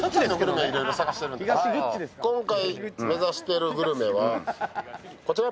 今回目指してるグルメはこちら。